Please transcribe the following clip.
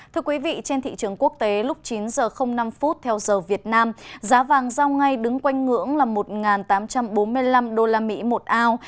thưa quý vị trên thị trường quốc tế lúc chín h năm theo giờ việt nam giá vàng giao ngay đứng quanh ngưỡng là một tám trăm bốn mươi năm usd một ao